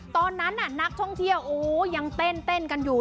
ตอนนั้นน่ะนักท่องเที่ยวยังเต้นกันอยู่